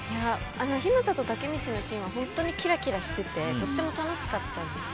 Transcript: ヒナタとタケミチのシーンは本当にキラキラしていてとても楽しかったです。